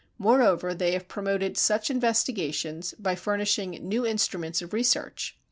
Moreover they have promoted such investigations by furnishing new instruments of research.